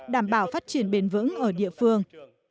đảm bảo phát triển bền vững ở địa phương